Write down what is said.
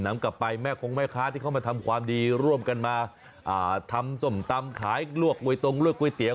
นำกลับไปแม่คงแม่ค้าที่เข้ามาทำความดีร่วมกันมาทำส้มตำขายลวกกวยตรงลวกก๋วเตี๋